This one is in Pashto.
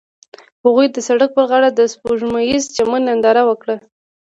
هغوی د سړک پر غاړه د سپوږمیز چمن ننداره وکړه.